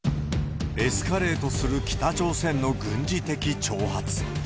エスカレートする北朝鮮の軍事的挑発。